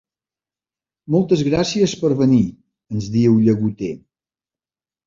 Moltes gràcies per venir —ens diu, llagoter—.